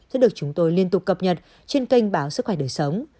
sẽ được chúng tôi liên tục cập nhật trên kênh báo sức khỏe đời sống